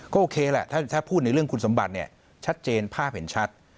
ก็โอเคแหละถ้าพูดในเรื่องคุณสมบัติเนี่ยชัดเจนภาพเห็นชัด